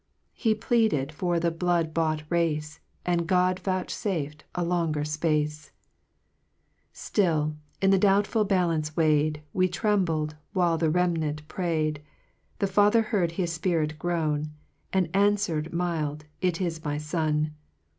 He pleaded for the blood bought race, And God vouchfaf'd a longer fpacc ! 4 Still in the doubtful balance weigh'd, We trembled, while the remnant pray'd ; The Father heard his Spirit groan, And anfwered mild, It is my Son